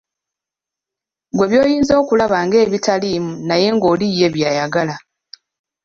Ggwe by'oyinza okulaba ng'ebitaliimu naye ng'oli ye by'ayagala.